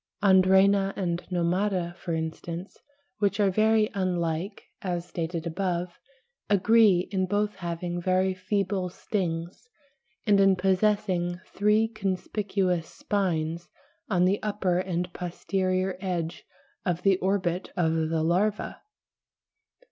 Andrena and Nomada, for instance, which are very unlike, as stated above, agree in both having very feeble stings and in possessing three conspicuous spines on the upper and posterior edge of the orbit of the larva.